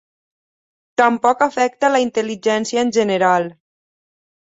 Tampoc afecta la intel·ligència en general.